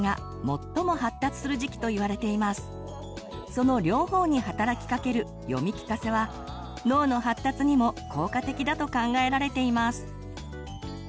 その両方に働きかける読み聞かせは脳の発達にも効果的だと考えられています。